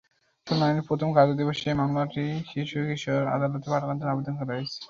শুনানির প্রথম কার্যদিবসেই মামলাটি শিশু-কিশোর আদালতে পাঠানোর জন্য আবেদন করা হয়েছে।